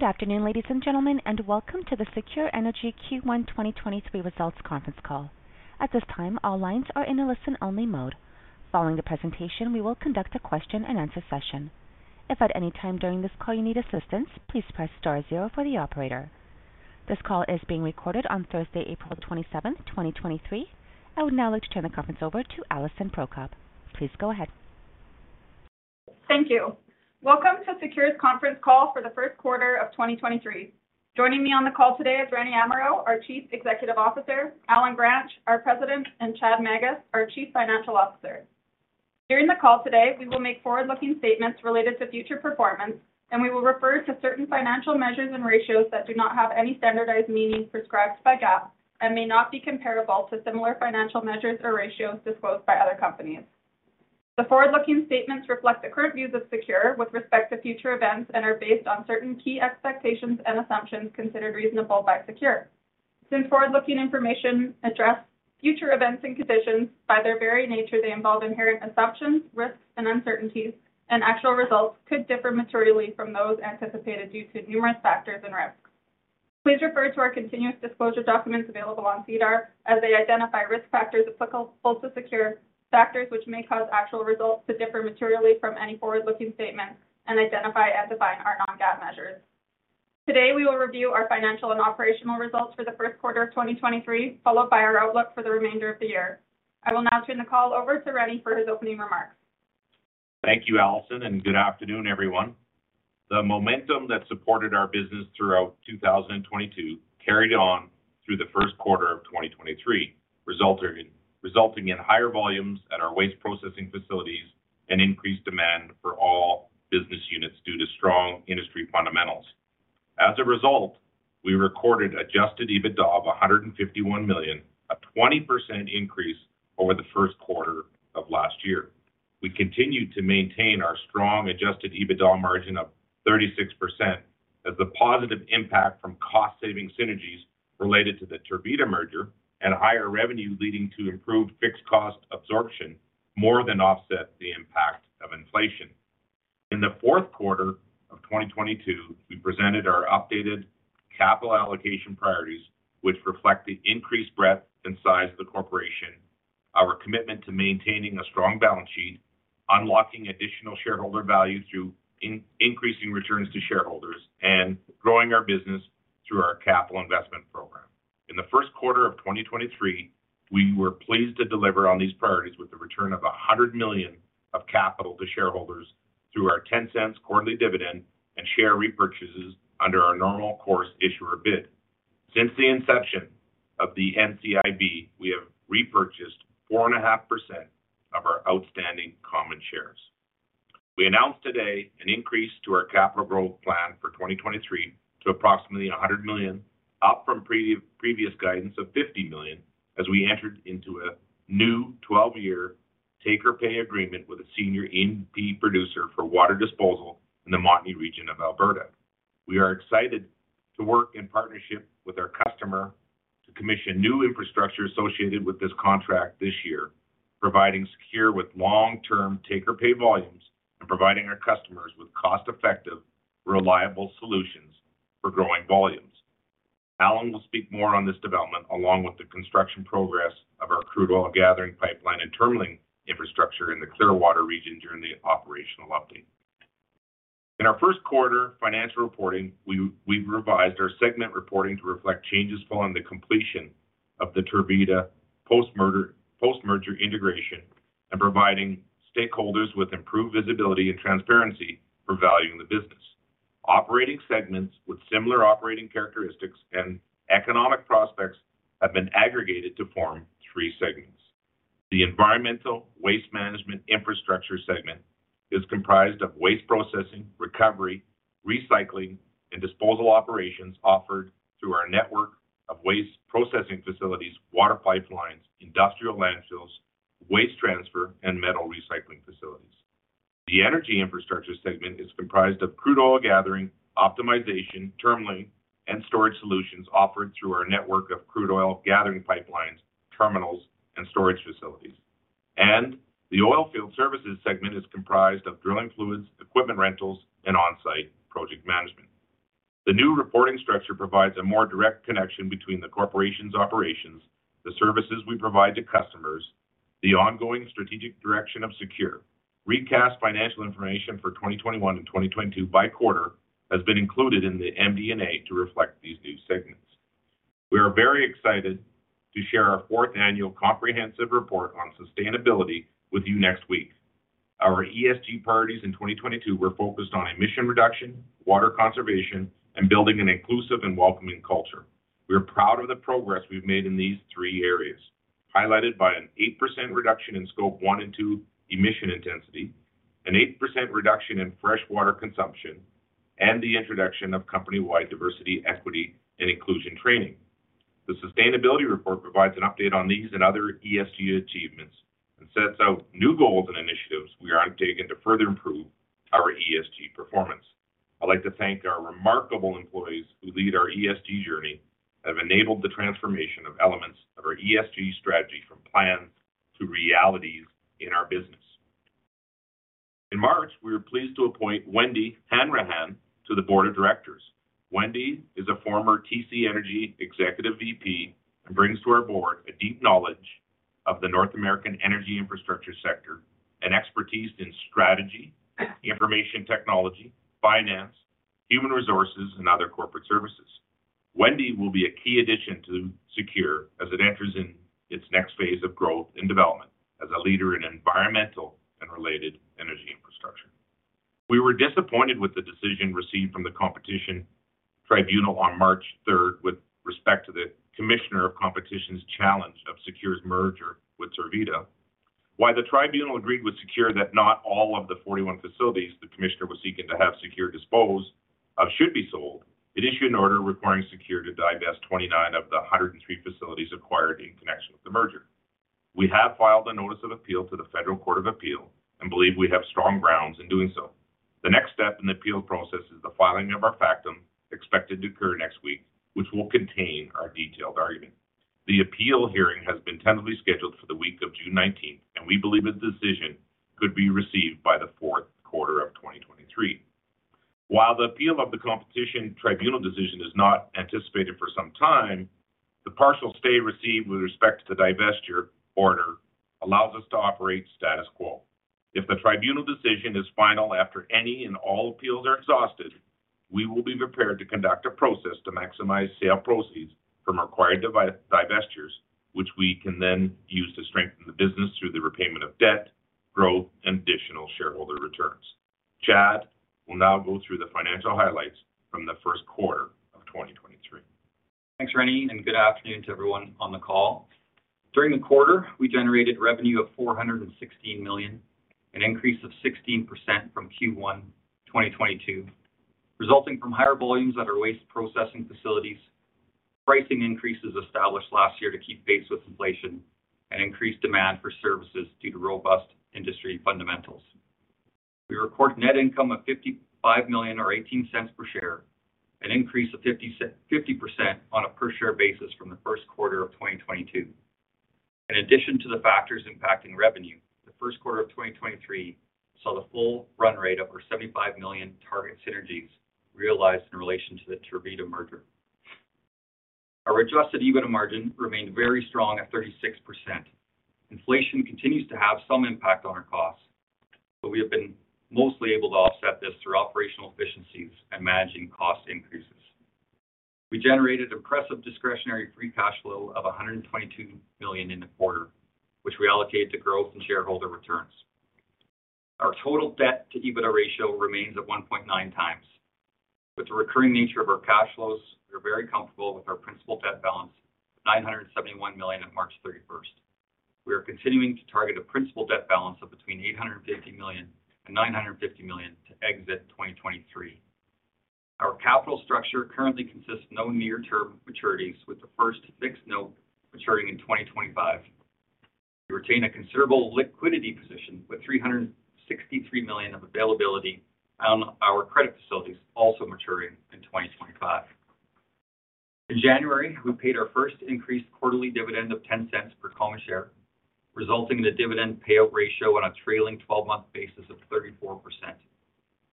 Good afternoon, ladies and gentlemen, welcome to the SECURE Energy Q1 2023 results conference call. At this time, all lines are in a listen-only mode. Following the presentation, we will conduct a question-and-answer session. If at any time during this call you need assistance, please press star zero for the operator. This call is being recorded on Thursday, April 27th, 2023. I would now like to turn the conference over to Alison Prokop. Please go ahead. Thank you. Welcome to SECURE's conference call for the first quarter of 2023. Joining me on the call today is Rene Amirault, our Chief Executive Officer, Allen Gransch, our President, and Chad Magus, our Chief Financial Officer. During the call today, we will make forward-looking statements related to future performance, and we will refer to certain financial measures and ratios that do not have any standardized meaning prescribed by GAAP and may not be comparable to similar financial measures or ratios disclosed by other companies. The forward-looking statements reflect the current views of SECURE with respect to future events and are based on certain key expectations and assumptions considered reasonable by SECURE. Since forward-looking information address future events and conditions by their very nature, they involve inherent assumptions, risks, and uncertainties, and actual results could differ materially from those anticipated due to numerous factors and risks. Please refer to our continuous disclosure documents available on SEDAR as they identify risk factors applicable to Secure, factors which may cause actual results to differ materially from any forward-looking statements and identify and define our non-GAAP measures. Today, we will review our financial and operational results for the first quarter of 2023, followed by our outlook for the remainder of the year. I will now turn the call over to Rene for his opening remarks. Thank you, Alison, good afternoon, everyone. The momentum that supported our business throughout 2022 carried on through the first quarter of 2023, resulting in higher volumes at our waste processing facilities and increased demand for all business units due to strong industry fundamentals. As a result, we recorded adjusted EBITDA of $151 million, a 20% increase over the first quarter of last year. We continued to maintain our strong adjusted EBITDA margin of 36% as the positive impact from cost-saving synergies related to the Tervita merger and higher revenue leading to improved fixed cost absorption more than offset the impact of inflation. In the fourth quarter of 2022, we presented our updated capital allocation priorities, which reflect the increased breadth and size of the corporation, our commitment to maintaining a strong balance sheet, unlocking additional shareholder value through increasing returns to shareholders, and growing our business through our capital investment program. In the first quarter of 2023, we were pleased to deliver on these priorities with the return of 100 million of capital to shareholders through our 0.10 quarterly dividend and share repurchases under our normal course issuer bid. Since the inception of the NCIB, we have repurchased 4.5% of our outstanding common shares. We announced today an increase to our capital growth plan for 2023 to approximately $100 million, up from previous guidance of $50 million as we entered into a new 12-year take-or-pay agreement with a senior in the producer for water disposal in the Montney region of Alberta. We are excited to work in partnership with our customer to commission new infrastructure associated with this contract this year, providing SECURE with long-term take-or-pay volumes and providing our customers with cost-effective, reliable solutions for growing volumes. Allen will speak more on this development along with the construction progress of our crude oil gathering pipeline and terminalling infrastructure in the Clearwater region during the operational update. In our first quarter financial reporting, we've revised our segment reporting to reflect changes following the completion of the Tervita post-merger integration and providing stakeholders with improved visibility and transparency for valuing the business. Operating segments with similar operating characteristics and economic prospects have been aggregated to form three segments. The Environmental Waste Management Infrastructure segment is comprised of waste processing, recovery, recycling, and disposal operations offered through our network of waste processing facilities, water pipelines, industrial landfills, waste transfer, and metal recycling facilities. The Energy Infrastructure segment is comprised of crude oil gathering, optimization, terminalling, and storage solutions offered through our network of crude oil gathering pipelines, terminals, and storage facilities. The Oilfield Services segment is comprised of drilling fluids, equipment rentals, and on-site project management. The new reporting structure provides a more direct connection between the corporation's operations, the services we provide to customers, the ongoing strategic direction of SECURE. Recast financial information for 2021 and 2022 by quarter has been included in the MD&A to reflect these new segments. We are very excited to share our fourth annual comprehensive report on sustainability with you next week. Our ESG priorities in 2022 were focused on emission reduction, water conservation, and building an inclusive and welcoming culture. We are proud of the progress we've made in these three areas, highlighted by an 8% reduction in Scope 1 and 2 emission intensity, an 8% reduction in fresh water consumption, and the introduction of company-wide diversity, equity, and inclusion training. The sustainability report provides an update on these and other ESG achievements and sets out new goals and initiatives we are undertaking to further improve our ESG performance. I'd like to thank our remarkable employees who lead our ESG journey that have enabled the transformation of elements of our ESG strategy from plans to realities in our business. In March, we were pleased to appoint Wendy Hanrahan to the board of directors. Wendy is a former TC Energy Executive VP and brings to our board a deep knowledge of the North American Energy Infrastructure sector and expertise in strategy, information technology, finance, human resources, and other corporate services. Wendy will be a key addition to SECURE as it enters in its next phase of growth and development as a leader in environmental and related Energy Infrastructure. We were disappointed with the decision received from the Competition Tribunal on March 3rd with respect to the Commissioner of Competition's challenge of SECURE's merger with Tervita. While the Tribunal agreed with SECURE that not all of the 41 facilities the Commissioner was seeking to have SECURE dispose of should be sold, it issued an order requiring SECURE to divest 29 of the 103 facilities acquired in connection with the merger. We have filed a notice of appeal to the Federal Court of Appeal and believe we have strong grounds in doing so. The next step in the appeal process is the filing of our factum, expected to occur next week, which will contain our detailed argument. The appeal hearing has been tentatively scheduled for the week of June 19th, and we believe a decision could be received by the fourth quarter of 2023. While the appeal of the Competition Tribunal decision is not anticipated for some time, the partial stay received with respect to the divestiture order allows us to operate status quo. If the Tribunal decision is final after any and all appeals are exhausted, we will be prepared to conduct a process to maximize sale proceeds from required divestitures, which we can then use to strengthen the business through the repayment of debt, growth, and additional shareholder returns. Chad will now go through the financial highlights from the first quarter of 2023. Thanks, Rene. Good afternoon to everyone on the call. During the quarter, we generated revenue of 416 million, an increase of 16% from Q1 2022, resulting from higher volumes at our waste processing facilities, pricing increases established last year to keep pace with inflation, and increased demand for services due to robust industry fundamentals. We record net income of 55 million or 0.18 per share, an increase of 50% on a per share basis from the first quarter of 2022. In addition to the factors impacting revenue, the first quarter of 2023 saw the full run rate over 75 million target synergies realized in relation to the Tervita merger. Our adjusted EBITDA margin remained very strong at 36%. Inflation continues to have some impact on our costs. We have been mostly able to offset this through operational efficiencies and managing cost increases. We generated impressive discretionary free cash flow of 122 million in the quarter, which we allocate to growth and shareholder returns. Our total debt-to-EBITDA ratio remains at 1.9 times. With the recurring nature of our cash flows, we're very comfortable with our principal debt balance of 971 million at March 31st. We are continuing to target a principal debt balance of between 850 million and 950 million to exit 2023. Our capital structure currently consists of no near-term maturities, with the first fixed note maturing in 2025. We retain a considerable liquidity position, with 363 million of availability on our credit facilities also maturing in 2025. In January, we paid our first increased quarterly dividend of 0.10 per common share, resulting in a dividend payout ratio on a trailing twelve-month basis of 34%.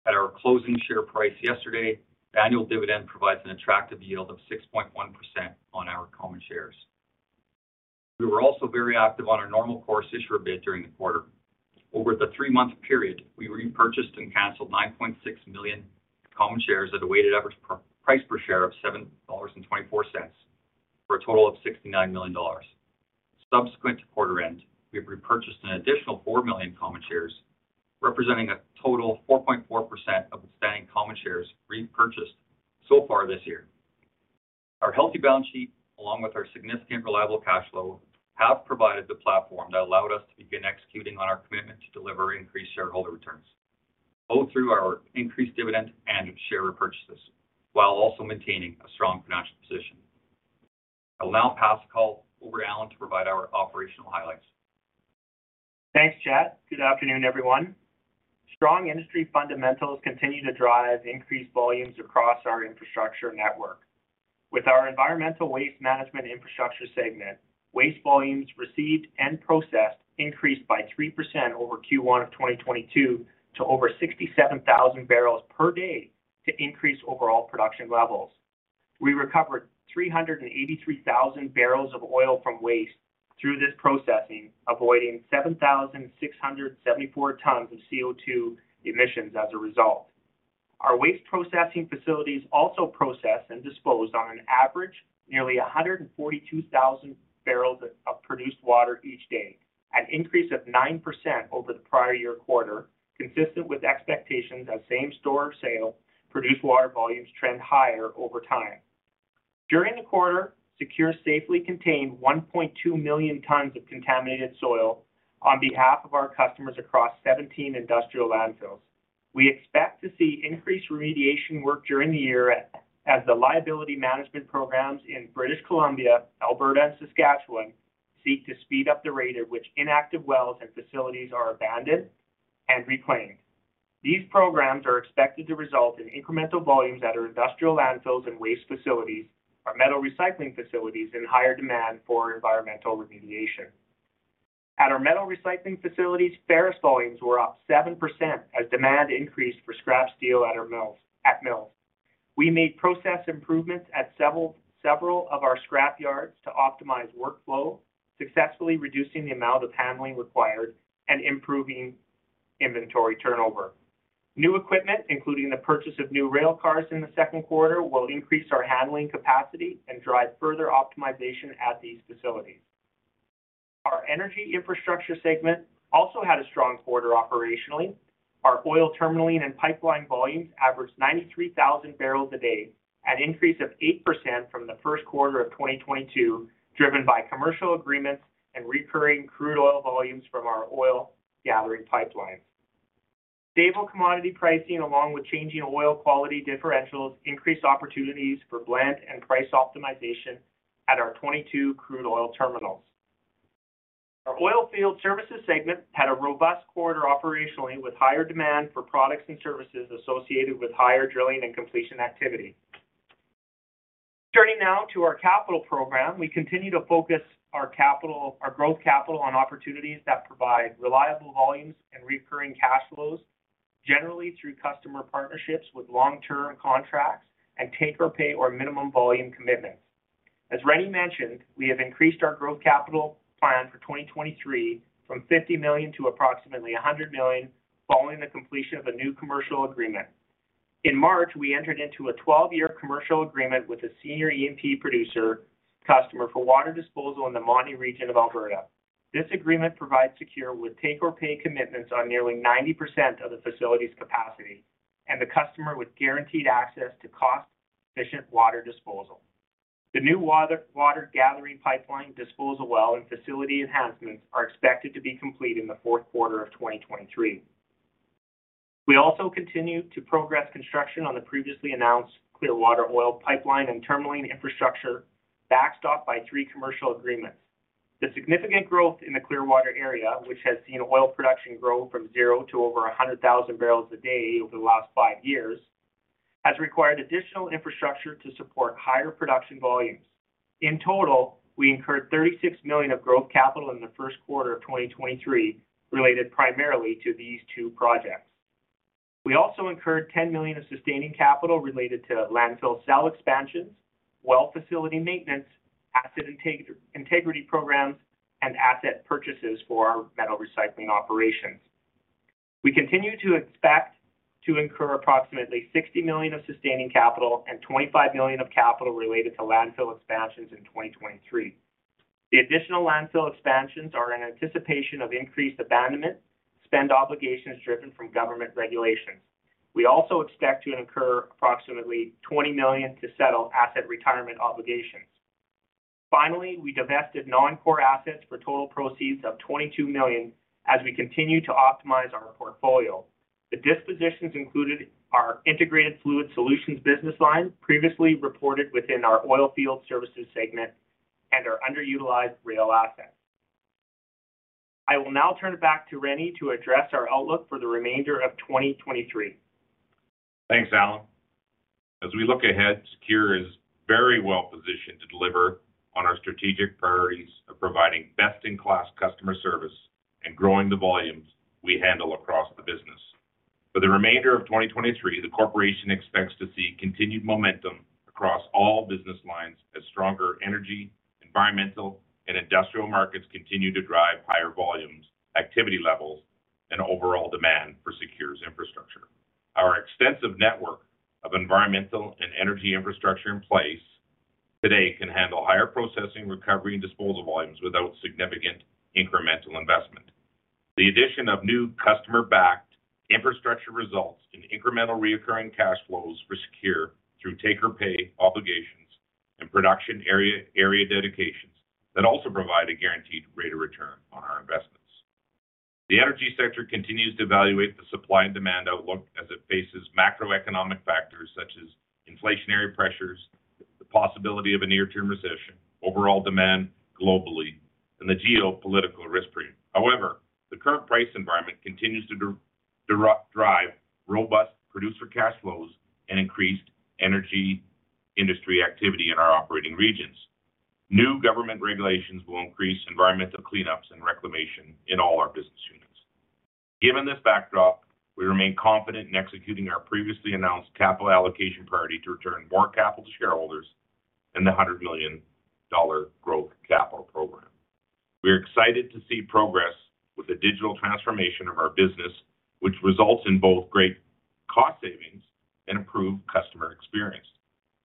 At our closing share price yesterday, the annual dividend provides an attractive yield of 6.1% on our common shares. We were also very active on our normal course issuer bid during the quarter. Over the three-month period, we repurchased and canceled 9.6 million common shares at a weighted average price per share of 7.24 dollars, for a total of 69 million dollars. Subsequent to quarter end, we have repurchased an additional four million common shares, representing a total 4.4% of outstanding common shares repurchased so far this year. Our healthy balance sheet, along with our significant reliable cash flow, have provided the platform that allowed us to begin executing on our commitment to deliver increased shareholder returns, both through our increased dividend and share repurchases, while also maintaining a strong financial position. I'll now pass the call over to Allen to provide our operational highlights. Thanks, Chad. Good afternoon, everyone. Strong industry fundamentals continue to drive increased volumes across our infrastructure network. With our Environmental Waste Management Infrastructure segment, waste volumes received and processed increased by 3% over Q1 of 2022 to over 67,000 barrels per day to increase overall production levels. We recovered 383,000 barrels of oil from waste through this processing, avoiding 7,674 tons of CO2 emissions as a result. Our waste processing facilities also processed and disposed on an average, nearly 142,000 barrels of produced water each day, an increase of 9% over the prior year quarter, consistent with expectations as same-store sale produced water volumes trend higher over time. During the quarter, SECURE safely contained 1.2 million tons of contaminated soil on behalf of our customers across 17 industrial landfills. We expect to see increased remediation work during the year as the liability management programs in British Columbia, Alberta, and Saskatchewan seek to speed up the rate at which inactive wells and facilities are abandoned and reclaimed. These programs are expected to result in incremental volumes at our industrial landfills and waste facilities, our metal recycling facilities, and higher demand for environmental remediation. At our metal recycling facilities, ferrous volumes were up 7% as demand increased for scrap steel at our mills. We made process improvements at several of our scrap yards to optimize workflow, successfully reducing the amount of handling required and improving inventory turnover. New equipment, including the purchase of new rail cars in the second quarter, will increase our handling capacity and drive further optimization at these facilities. Our Energy Infrastructure segment also had a strong quarter operationally. Our oil terminaling and pipeline volumes averaged 93,000 barrels a day, an increase of 8% from Q1 2022, driven by commercial agreements and recurring crude oil volumes from our oil gathering pipelines. Stable commodity pricing, along with changing oil quality differentials, increased opportunities for blend and price optimization at our 22 crude oil terminals. Our Oilfield Services segment had a robust quarter operationally, with higher demand for products and services associated with higher drilling and completion activity. Turning now to our capital program, we continue to focus our growth capital on opportunities that provide reliable volumes and recurring cash flows, generally through customer partnerships with long-term contracts and take-or-pay or minimum volume commitments. As Rene mentioned, we have increased our growth capital plan for 2023 from 50 million to approximately 100 million following the completion of a new commercial agreement. In March, we entered into a 12-year commercial agreement with a senior E&P producer customer for water disposal in the Montney region of Alberta. This agreement provides SECURE with take-or-pay commitments on nearly 90% of the facility's capacity and the customer with guaranteed access to cost-efficient water disposal. The new water gathering pipeline disposal well and facility enhancements are expected to be complete in the fourth quarter of 2023. We also continued to progress construction on the previously announced Clearwater oil pipeline and terminaling infrastructure, backstopped by three commercial agreements. The significant growth in the Clearwater area, which has seen oil production grow from 0 to over 100,000 barrels a day over the last five years, has required additional infrastructure to support higher production volumes. In total, we incurred 36 million of growth capital in the first quarter of 2023 related primarily to these two projects. We also incurred 10 million of sustaining capital related to landfill cell expansions, well facility maintenance, asset integrity programs, and asset purchases for our metal recycling operations. We continue to expect to incur approximately 60 million of sustaining capital and 25 million of capital related to landfill expansions in 2023. The additional landfill expansions are in anticipation of increased abandonment, spend obligations driven from government regulations. We also expect to incur approximately 20 million to settle asset retirement obligations. Finally, we divested non-core assets for total proceeds of 22 million as we continue to optimize our portfolio. The dispositions included our Integrated Fluid Solutions business line, previously reported within our Oilfield Services segment and our underutilized rail assets. I will now turn it back to Rene to address our outlook for the remainder of 2023. Thanks, Allen. As we look ahead, SECURE is very well positioned to deliver on our strategic priorities of providing best-in-class customer service and growing the volumes we handle across the business. For the remainder of 2023, the corporation expects to see continued momentum across all business lines as stronger energy, environmental, and industrial markets continue to drive higher volumes, activity levels, and overall demand for SECURE's infrastructure. Our extensive network of environmental and energy infrastructure in place today can handle higher processing, recovery, and disposal volumes without significant incremental investment. The addition of new customer-backed infrastructure results in incremental recurring cash flows for SECURE through take-or-pay obligations and production area dedications that also provide a guaranteed greater return on our investments. The energy sector continues to evaluate the supply and demand outlook as it faces macroeconomic factors such as inflationary pressures, the possibility of a near-term recession, overall demand globally, and the geopolitical risk premium. However, the current price environment continues to drive robust producer cash flows and increased energy industry activity in our operating regions. New government regulations will increase environmental cleanups and reclamation in all our business units. Given this backdrop, we remain confident in executing our previously announced capital allocation priority to return more capital to shareholders and the 100 million dollar growth capital program. We are excited to see progress with the digital transformation of our business, which results in both great cost savings and improved customer experience.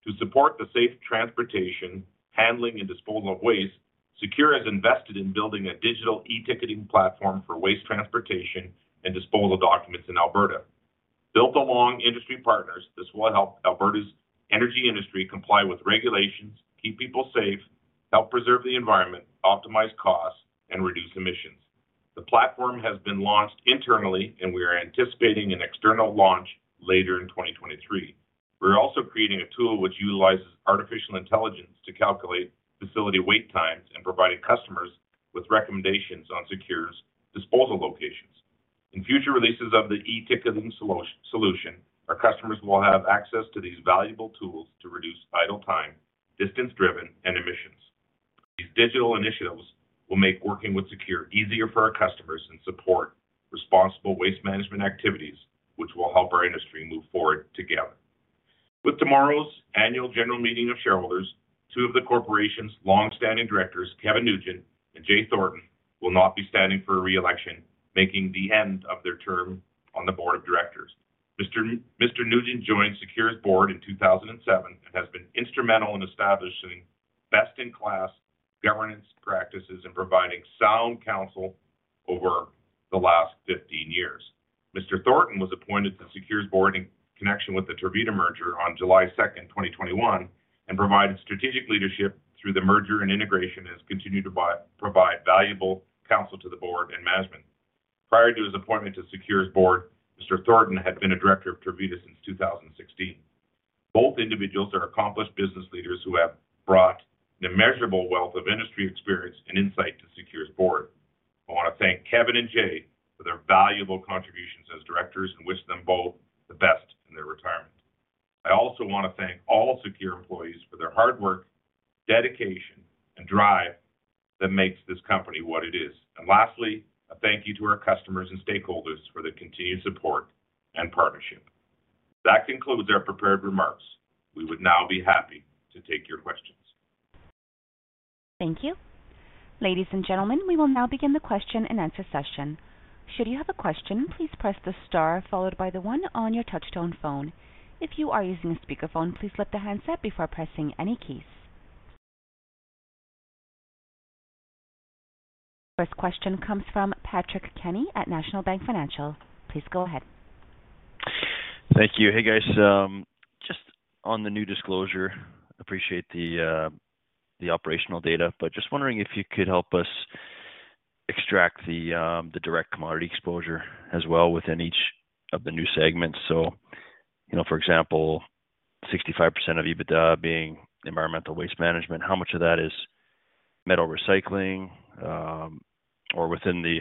To support the safe transportation, handling, and disposal of waste, SECURE has invested in building a digital e-ticketing platform for waste transportation and disposal documents in Alberta. Built along industry partners, this will help Alberta's energy industry comply with regulations, keep people safe, help preserve the environment, optimize costs, and reduce emissions. The platform has been launched internally. We are anticipating an external launch later in 2023. We're also creating a tool which utilizes artificial intelligence to calculate facility wait times and providing customers with recommendations on SECURE's disposal locations. In future releases of the e-ticketing solution, our customers will have access to these valuable tools to reduce idle time, distance driven, and emissions. These digital initiatives will make working with SECURE easier for our customers and support responsible waste management activities, which will help our industry move forward together. With tomorrow's annual general meeting of shareholders, two of the corporation's long-standing directors, Kevin Nugent and Jay Thornton, will not be standing for re-election, making the end of their term on the board of directors. Mr. Nugent joined SECURE's board in 2007 and has been instrumental in establishing best-in-class governance practices and providing sound counsel over the last 15 years. Mr. Thornton was appointed to SECURE's board in connection with the Tervita merger on July 2nd, 2021, and provided strategic leadership through the merger and integration, and has continued to provide valuable counsel to the board and management. Prior to his appointment to SECURE's board, Mr. Thornton had been a director of Tervita since 2016. Both individuals are accomplished business leaders who have brought an immeasurable wealth of industry experience and insight to SECURE's board. I want to thank Kevin and Jay for their valuable contributions as directors and wish them both the best in their retirement. I also want to thank all SECURE employees for their hard work, dedication, and drive that makes this company what it is. Lastly, a thank you to our customers and stakeholders for their continued support and partnership. That concludes our prepared remarks. We would now be happy to take your questions. Thank you. Ladies and gentlemen, we will now begin the question-and-answer session. Should you have a question, please press the star followed by the one on your touch-tone phone. If you are using a speakerphone, please lift the handset before pressing any keys. First question comes from Patrick Kenny at National Bank Financial. Please go ahead. Thank you. Hey, guys. Just on the new disclosure, appreciate the operational data, just wondering if you could help us extract the direct commodity exposure as well within each of the new segments. You know, for example, 65% of EBITDA being Environmental Waste Management, how much of that is metal recycling? Within the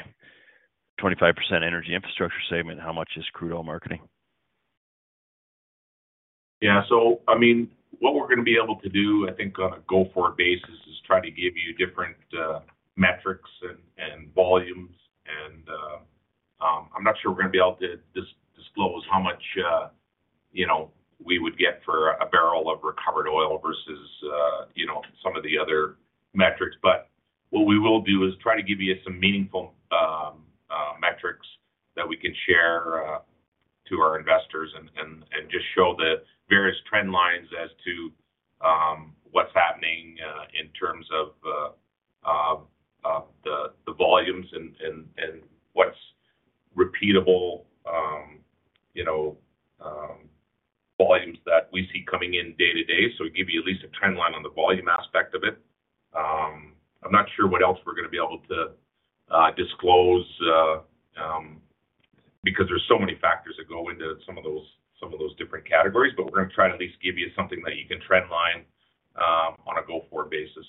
25% Energy Infrastructure segment, how much is crude oil marketing? Yeah. I mean, what we're going to be able to do, I think, on a go-forward basis is try to give you different metrics and volumes. I'm not sure we're going to be able to disclose how much, you know, we would get for a barrel of recovered oil versus, you know, some of the other metrics. What we will do is try to give you some meaningful metrics that we can share to our investors and just show the various trend lines as to what's happening in terms of the volumes and what's repeatable, you know, volumes that we see coming in day to day. We give you at least a trend line on the volume aspect of it. I'm not sure what else we're gonna be able to disclose because there's so many factors that go into some of those different categories, but we're gonna try to at least give you something that you can trend line on a go-forward basis.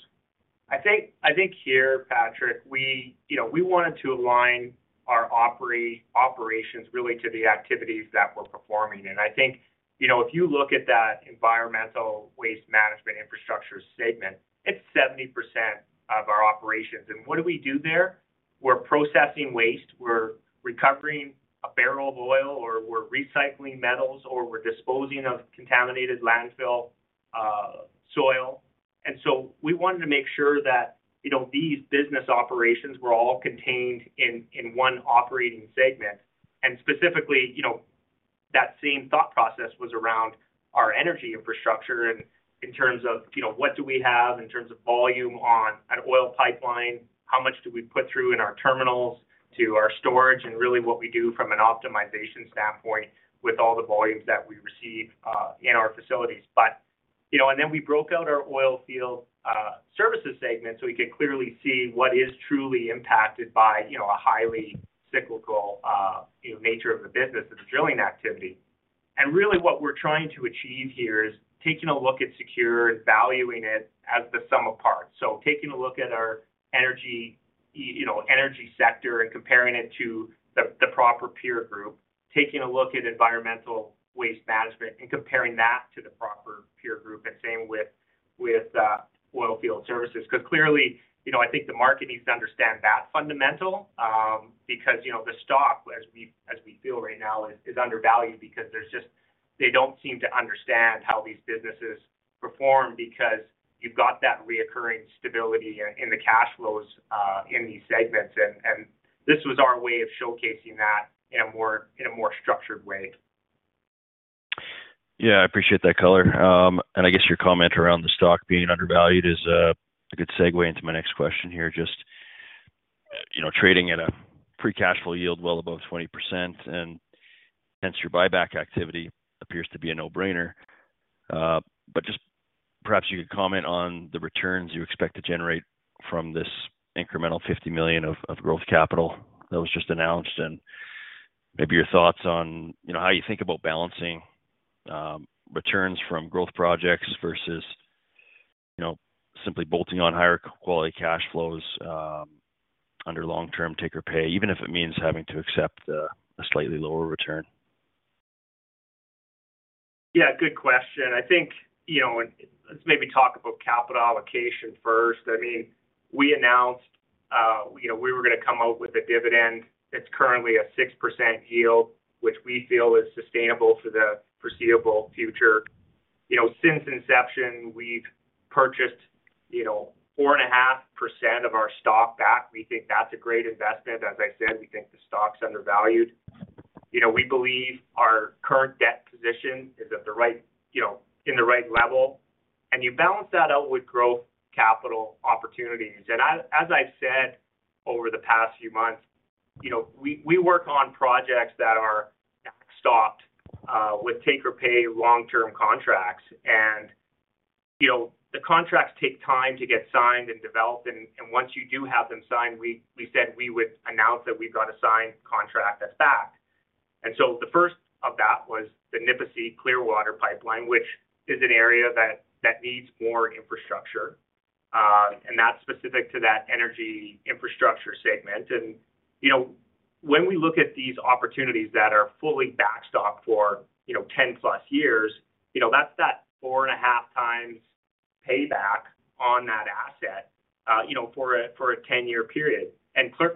I think here, Patrick, we, you know, we wanted to align our operations really to the activities that we're performing. I think, you know, if you look at that Environmental Waste Management Infrastructure segment, it's 70% of our operations. What do we do there? We're processing waste. We're recovering a barrel of oil, or we're recycling metals, or we're disposing of contaminated landfill, soil. We wanted to make sure that, you know, these business operations were all contained in one operating segment. Specifically, you know, that same thought process was around our Energy Infrastructure and in terms of, you know, what do we have in terms of volume on an oil pipeline? How much do we put through in our terminals to our storage? Really what we do from an optimization standpoint with all the volumes that we receive in our facilities. We broke out our Oilfield Services segment, so we could clearly see what is truly impacted by, you know, a highly cyclical, you know, nature of the business of the drilling activity. Really what we're trying to achieve here is taking a look at SECURE and valuing it as the sum of parts. Taking a look at our Energy Infrastructure and comparing it to the proper peer group, taking a look at Environmental Waste Management Infrastructure and comparing that to the proper peer group, and same with Oilfield Services. Clearly, you know, I think the market needs to understand that fundamental, because, you know, the stock as we feel right now is undervalued because they don't seem to understand how these businesses perform because you've got that recurring stability in the cash flows, in these segments. This was our way of showcasing that in a more, in a more structured way. Yeah. I appreciate that color. And I guess your comment around the stock being undervalued is a good segue into my next question here. Just, you know, trading at a free cash flow yield well above 20%, and hence your buyback activity appears to be a no-brainer. Just, perhaps you could comment on the returns you expect to generate from this incremental 50 million of growth capital that was just announced, and maybe your thoughts on, you know, how you think about balancing returns from growth projects versus, you know, simply bolting on higher quality cash flows under long-term take-or-pay, even if it means having to accept a slightly lower return? Yeah, good question. I think, you know, let's maybe talk about capital allocation first. I mean, we announced, you know, we were gonna come out with a dividend that's currently a 6% yield, which we feel is sustainable for the foreseeable future. You know, since inception, we've purchased, you know, 4.5% of our stock back. We think that's a great investment. As I said, we think the stock's undervalued. You know, we believe our current debt position is in the right level. You balance that out with growth capital opportunities. As I've said over the past few months, you know, we work on projects that are backstopped with take-or-pay long-term contracts. You know, the contracts take time to get signed and developed. Once you do have them signed, we said we would announce that we've got a signed contract that's backed. The first of that was the Nipisi Clearwater Pipeline, which is an area that needs more infrastructure, and that's specific to that Energy Infrastructure segment. You know, when we look at these opportunities that are fully backstopped for, you know, 10+ years, you know, that's that 4.5x payback on that asset for a 10-year period.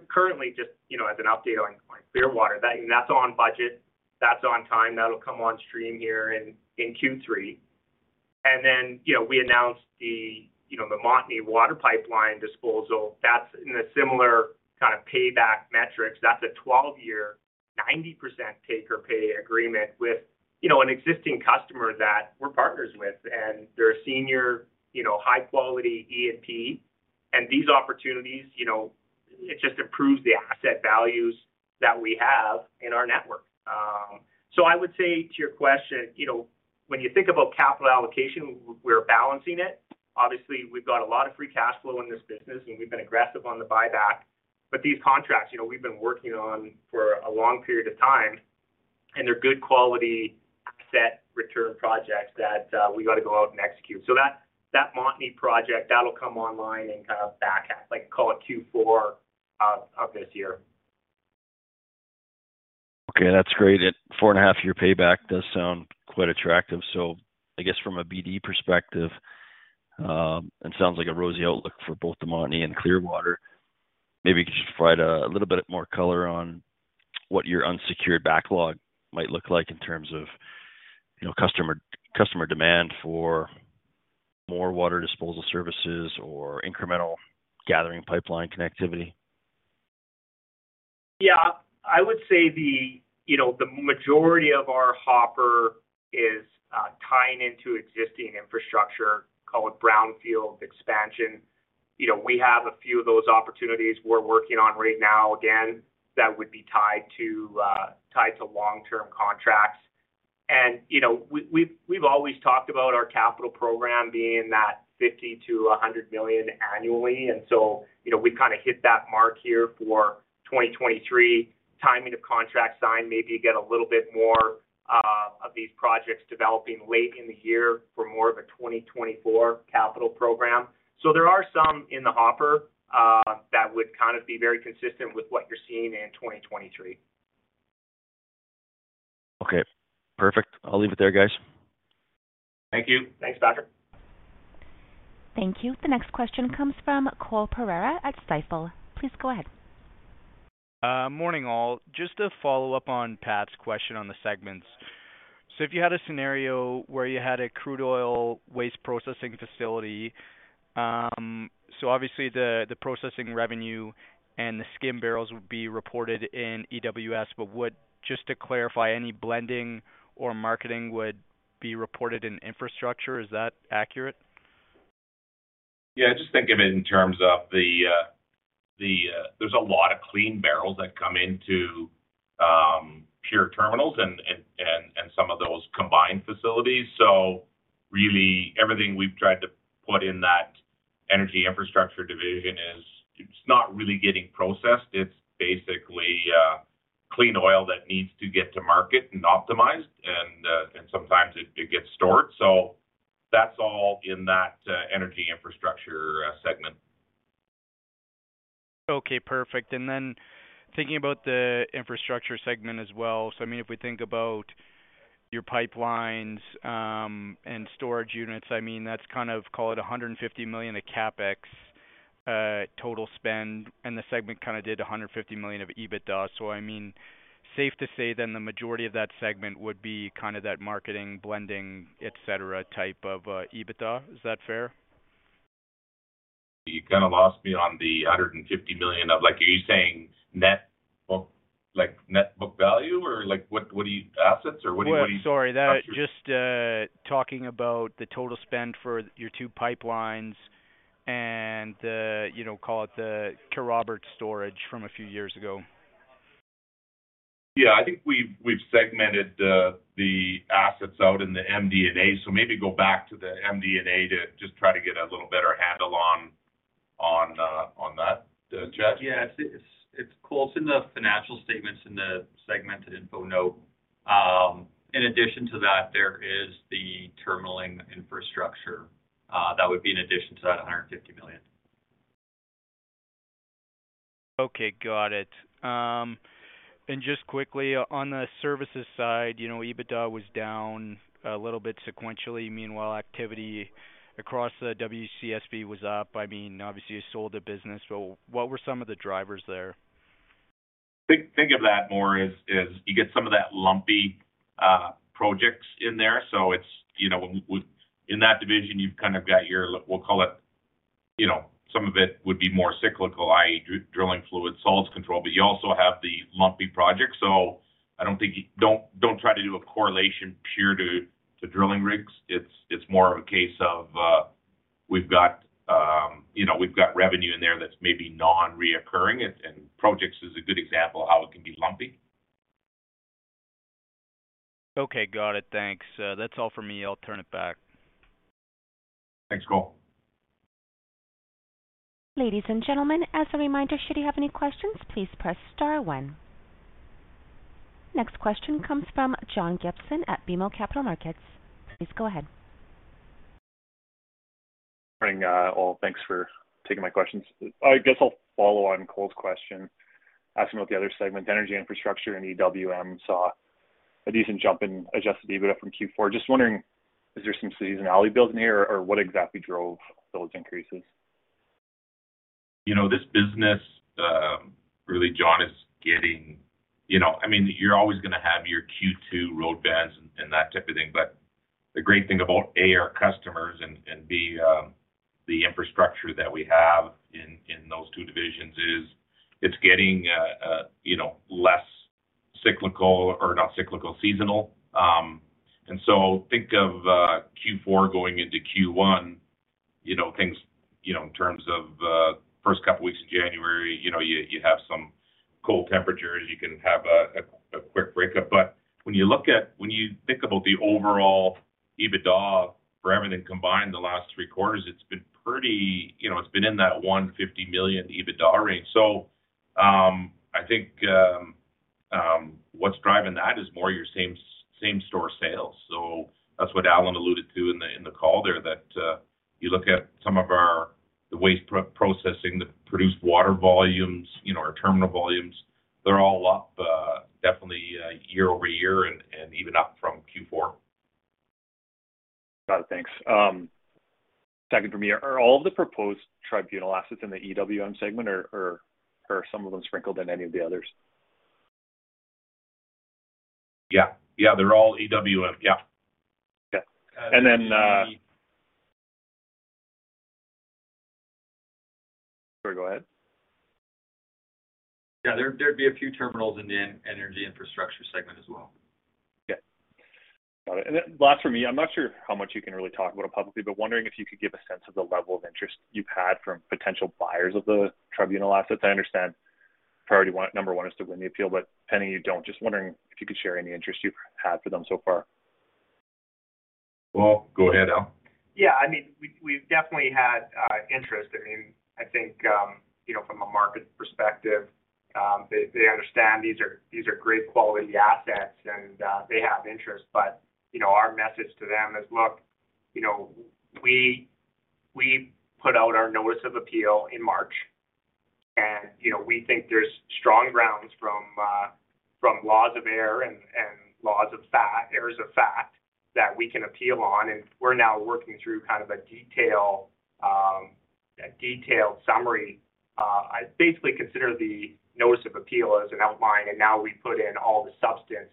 Currently, just, you know, as an update on Clearwater, that's on budget, that's on time. That'll come on stream here in Q3. You know, we announced the, you know, the Montney Water Pipeline disposal. That's in a similar kind of payback metrics. That's a 12-year, 90% take-or-pay agreement with, you know, an existing customer that we're partners with. They're a senior, you know, high-quality E&P. These opportunities, you know, it just improves the asset values that we have in our network. I would say to your question, you know, when you think about capital allocation, we're balancing it. Obviously, we've got a lot of free cash flow in this business, and we've been aggressive on the buyback. These contracts, you know, we've been working on for a long period of time, and they're good quality asset return projects that we gotta go out and execute. That Montney project, that'll come online in kind of back half, like call it Q4 of this year. Okay, that's great. A four-and-a-half year payback does sound quite attractive. I guess from a BD perspective, it sounds like a rosy outlook for both the Montney and Clearwater. Maybe you could just provide a little bit more color on what your unsecured backlog might look like in terms of, you know, customer demand for more water disposal services or incremental gathering pipeline connectivity. Yeah. I would say the, you know, the majority of our hopper is tying into existing infrastructure, call it brownfield expansion. You know, we have a few of those opportunities we're working on right now. Again, that would be tied to long-term contracts. You know, we've always talked about our capital program being that 50 million-100 million annually. You know, we've kinda hit that mark here for 2023. Timing of contract signed may be get a little bit more of these projects developing late in the year for more of a 2024 capital program. There are some in the hopper that would kind of be very consistent with what you're seeing in 2023. Okay, perfect. I'll leave it there, guys. Thank you. Thanks, Patrick. Thank you. The next question comes from Cole Pereira at Stifel. Please go ahead. Morning, all. Just to follow up on Pat's question on the segments. If you had a scenario where you had a crude oil waste processing facility, so obviously the processing revenue and the skim barrels would be reported in EWS. Would, just to clarify, any blending or marketing would be reported in infrastructure? Is that accurate? Just think of it in terms of the. There's a lot of clean barrels that come into pure terminals and some of those combined facilities. Really everything we've tried to put in that Energy Infrastructure division is it's not really getting processed. It's basically clean oil that needs to get to market and optimized and sometimes it gets stored. That's all in that Energy Infrastructure segment. Okay, perfect. Thinking about the infrastructure segment as well. I mean, if we think about your pipelines and storage units, I mean, that's kind of, call it 150 million of CapEx total spend, and the segment kinda did 150 million of EBITDA. I mean, safe to say then the majority of that segment would be kinda that marketing, blending, et cetera, type of EBITDA. Is that fair? You kinda lost me on the 150 million of... Like, are you saying like net book value or like what, assets or what do you? Well, sorry. That just talking about the total spend for your two pipelines and, you know, call it the Kerrobert storage from a few years ago. Yeah, I think we've segmented the assets out in the MD&A. Maybe go back to the MD&A to just try to get a little better handle on, on that, Chad. Yes, it's cool. It's in the financial statements in the segmented info note. In addition to that, there is the terminalling infrastructure that would be in addition to that 150 million. Okay, got it. Just quickly on the services side, you know, EBITDA was down a little bit sequentially. Meanwhile, activity across the WCSB was up. I mean, obviously, you sold the business, but what were some of the drivers there? Think of that more as you get some of that lumpy projects in there. It's, you know, in that division, you've kind of got your, we'll call it, you know, some of it would be more cyclical, i.e., drilling fluid, solids control, but you also have the lumpy project. I don't think you don't try to do a correlation pure to drilling rigs. It's more of a case of, we've got, you know, we've got revenue in there that's maybe non-reoccurring, and projects is a good example of how it can be lumpy. Okay, got it. Thanks. That's all for me. I'll turn it back. Thanks, Cole. Ladies and gentlemen, as a reminder, should you have any questions, please press star one. Next question comes from John Gibson at BMO Capital Markets. Please go ahead. Morning, all. Thanks for taking my questions. I guess I'll follow on Cole's question, asking about the other segment, Energy Infrastructure, and EWM saw a decent jump in adjusted EBITDA from Q4. Just wondering, is there some seasonality building here or what exactly drove those increases? You know, this business, really, John, is getting. You know, I mean, you're always gonna have your Q2 roadbeds and that type of thing. The great thing about, A, our customers and B, the infrastructure that we have in those two divisions is it's getting, you know, less cyclical or not cyclical, seasonal. Think of Q4 going into Q1, you know, things, you know, in terms of first couple weeks of January, you have some cold temperatures. You can have a quick breakup. When you think about the overall EBITDA for everything combined the last three quarters, it's been pretty. You know, it's been in that 150 million EBITDA range. I think, what's driving that is more your same store sales. That's what Allen alluded to in the, in the call there that, you look at some of our, the waste processing, the produced water volumes, you know, our terminal volumes, they're all up, definitely, year-over-year and even up from Q4. Got it, thanks. Second for me. Are all the proposed tribunal assets in the EWM segment or are some of them sprinkled in any of the others? Yeah. Yeah, they're all EWM. Yeah. Yeah. Then... Sorry, go ahead. Yeah, there'd be a few terminals in the Energy Infrastructure segment as well. Yeah. Got it. Last for me, I'm not sure how much you can really talk about it publicly, but wondering if you could give a sense of the level of interest you've had from potential buyers of the Tribunal assets. I understand priority number one is to win the appeal. Pending you don't, just wondering if you could share any interest you've had for them so far. Well, go ahead, Al. Yeah, I mean, we've definitely had interest. I mean, I think, you know, from a market perspective, they understand these are great quality assets and they have interest. You know, our message to them is, look, you know, we put out our notice of appeal in March, and, you know, we think there's strong grounds from laws of error and errors of fact that we can appeal on. We're now working through kind of a detailed summary. I basically consider the notice of appeal as an outline, and now we put in all the substance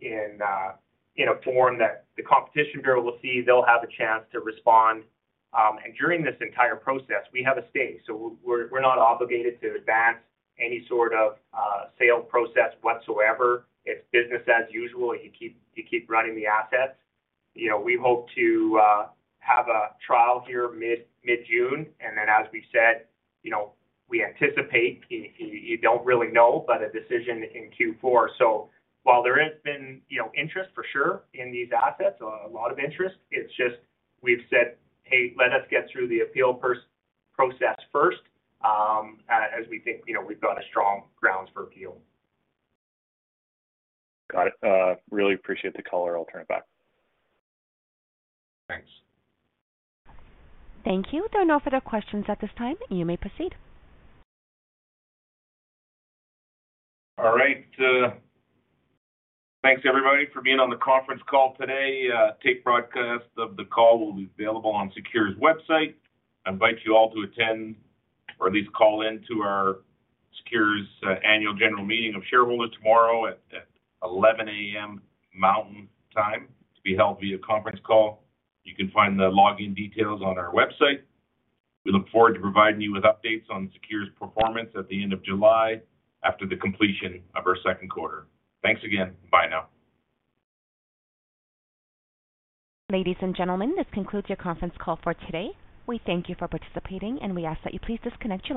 in a form that the Competition Bureau will see. They'll have a chance to respond. During this entire process, we have a stake. We're not obligated to advance any sort of sales process whatsoever. It's business as usual. You keep running the assets. You know, we hope to have a trial here mid-June. Then as we said, you know, we anticipate, you don't really know, but a decision in Q4. While there has been, you know, interest for sure in these assets, a lot of interest, it's just we've said, "Hey, let us get through the appeal process first," as we think, you know, we've got a strong grounds for appeal. Got it. Really appreciate the call. I'll turn it back. Thanks. Thank you. There are no further questions at this time. You may proceed. All right. Thanks everybody for being on the conference call today. A tape broadcast of the call will be available on SECURE's website. I invite you all to attend or at least call in to our SECURE's annual general meeting of shareholders tomorrow at 11:00 A.M. Mountain Time to be held via conference call. You can find the login details on our website. We look forward to providing you with updates on SECURE's performance at the end of July after the completion of our second quarter. Thanks again. Bye now. Ladies and gentlemen, this concludes your conference call for today. We thank you for participating, and we ask that you please disconnect your line.